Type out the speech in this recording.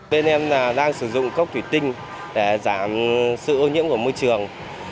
bên em đang sử dụng cốc thủy tinh để giảm sự ô nhiễm của môi trường